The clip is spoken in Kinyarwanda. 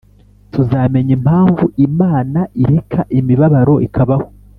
tuzamenya impamvu Imana ireka imibabaro ikabaho